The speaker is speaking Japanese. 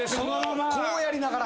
こうやりながら。